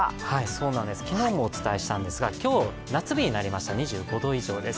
昨日もお伝えしたんですが、今日、夏日になりました、２５度以上です。